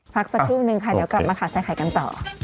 พักสักครู่นึงค่ะเดี๋ยวกลับมาข่าวใส่ไข่กันต่อ